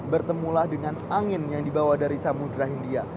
bertemulah dengan angin yang dibawa dari samudera india